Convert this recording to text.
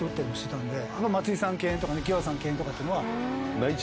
松井さん敬遠とか清原さん敬遠とかっていうのは。